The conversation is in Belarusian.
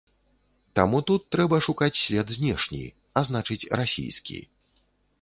Таму тут трэба шукаць след знешні, а значыць, расійскі.